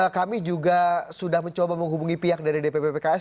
kami juga sudah mencoba menghubungi pihak dari dpp pks